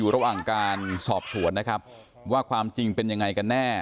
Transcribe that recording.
ระหว่างการสอบสวนนะครับว่าความจริงเป็นยังไงกันแน่